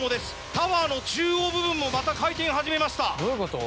タワーの中央部分もまた回転始めました。